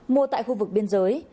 mua tại khu vực biên giới